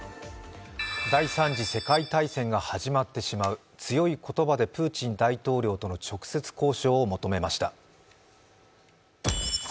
第三次世界大戦が始まってしまう強い言葉でプーチン大統領との直接交渉を求めました。